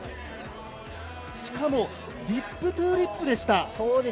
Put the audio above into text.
しかもリップトゥリップでした。